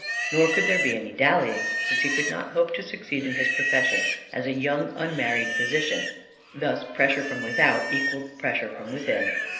Nor could there be any dallying, since he could not hope to succeed in his profession as a young unmarried physician: thus pressure from without equalled pressure from within.